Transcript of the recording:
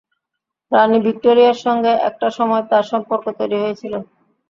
রানি ভিক্টোরিয়ার সঙ্গে একটা সময় তার সম্পর্ক তৈরি হয়েছিল।